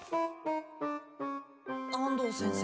安藤先生